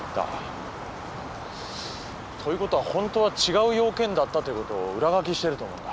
ということはホントは違う用件だったということを裏書きしてると思うんだ。